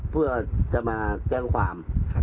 เพื่อจะมาแจ้งความ